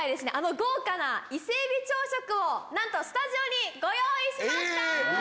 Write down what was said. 豪華な伊勢海老朝食をなんとスタジオにご用意しました。